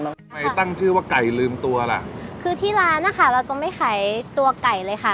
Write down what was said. แล้วทำไมตั้งชื่อว่าไก่ลืมตัวล่ะคือที่ร้านนะคะเราจะไม่ขายตัวไก่เลยค่ะ